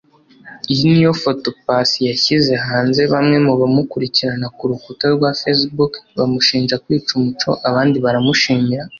Iyi niyo foto Paccy yashyize hanze bamwe mu bamukurikirana ku rukuta rwa facebook bamushinja kwica umuco abandi baramushimira